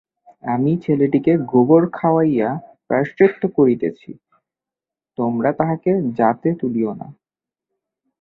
আমি ছেলেটিকে গোবর খাওয়াইয়া প্রায়শ্চিত্ত করাইতেছি, তোমরা তাহাকে জাতে তুলিয়া লও।